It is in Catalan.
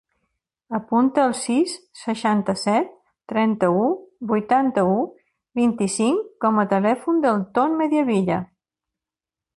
Apunta el sis, seixanta-set, trenta-u, vuitanta-u, vint-i-cinc com a telèfon del Ton Mediavilla.